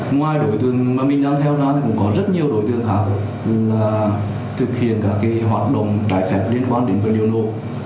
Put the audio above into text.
ngoài đối tượng mà mình đang theo năng thì cũng có rất nhiều đối tượng khác là thực hiện cả cái hoạt động trải phép liên quan đến với liều nộ